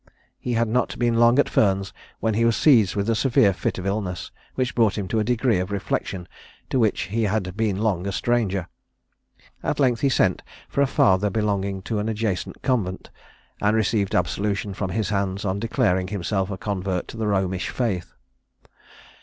He had not been long at Furnes when he was seized with a severe fit of illness, which brought him to a degree of reflection to which he had been long a stranger. At length he sent for a father belonging to an adjacent convent, and received absolution from his hands, on declaring himself a convert to the Romish faith.